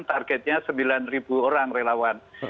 targetnya sembilan orang relawan